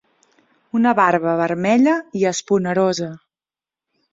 Una barba vermella i esponerosa.